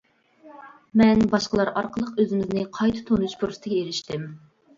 مەن باشقىلار ئارقىلىق ئۆزىمىزنى قايتا تونۇش پۇرسىتىگە ئېرىشتىم.